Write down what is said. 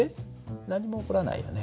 何も起こらないよね。